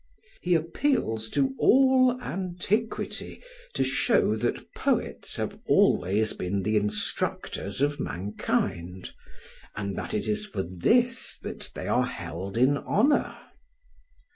He appeals to all antiquity to shew that poets have always been the instructors of mankind, and that it is for this that they are held in honour.